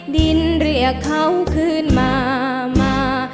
ดินเรียกเขาขึ้นมามา